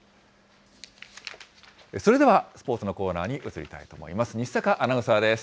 それではスポーツのコーナーに移りたいと思います。